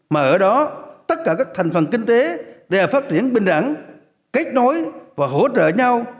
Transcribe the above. mà ở đó tất cả các thành phần kinh tế đều phát triển bình đẳng kết nối và hỗ trợ nhau